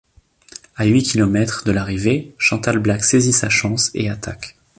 À huit kilomètres de l'arrivée, Chantal Blaak saisit sa chance et attaque.